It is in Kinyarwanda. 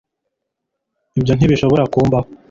ibyo ntibishobora kumbaho